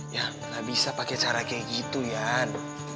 ya gak bisa pakai cara kayak gitu yan